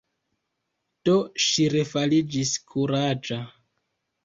Do ŝi refariĝis kuraĝa.